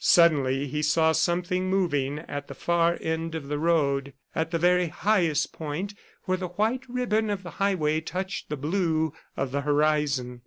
Suddenly he saw something moving at the far end of the road, at the very highest point where the white ribbon of the highway touched the blue of the horizon.